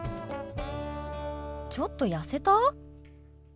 ちょっと痩せた？